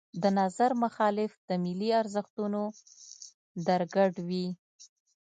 د نظر مخالف د ملي ارزښتونو درګډ وي.